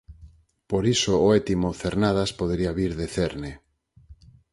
Por iso o étimo "Cernadas" podería vir de cerne.